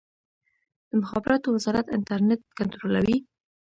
د مخابراتو وزارت انټرنیټ کنټرولوي؟